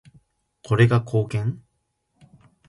これが貢献？